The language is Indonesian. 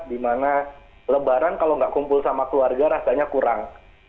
dimana lebaran kalau nggak kumpul sama keluarga rasanya kurang